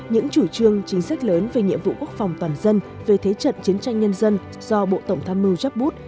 những chủ trương chính sách lớn về nhiệm vụ quốc phòng toàn dân về thế trận chiến tranh nhân dân do bộ tổng tham mưu giáp bút